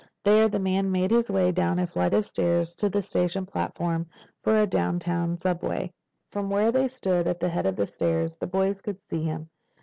There the man made his way down a flight of stairs to the station platform of a downtown subway. From where they stood, at the head of the stairs, the boys could see him.